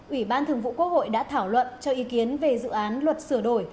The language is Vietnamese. ủy ban thường vụ quốc hội đã thảo luận cho ý kiến về dự án luật sửa đổi